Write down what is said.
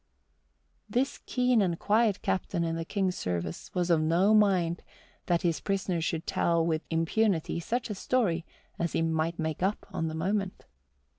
This keen and quiet captain in the King's service was of no mind that his prisoner should tell with impunity such a story as he might make up on the moment.